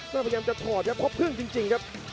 แล้วพยายามจะถอดครับเพราะพรึ่งจริงครับ